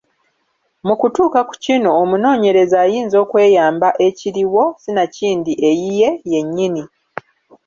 Mu kutuuka ku kino omunoonyereza ayinza okweyamba ekiriwo sinakindi eyiye yennyini.